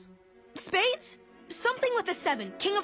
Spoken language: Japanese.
スペード？